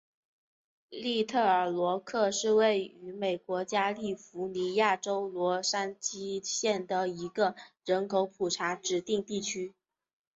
利特尔罗克是位于美国加利福尼亚州洛杉矶县的一个人口普查指定地区。